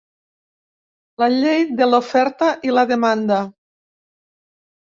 La llei de l'oferta i la demanda.